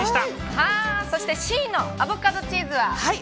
そしてＣのアボカドチーズは。